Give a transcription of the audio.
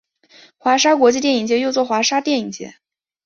华沙国际电影节又作华沙电影节。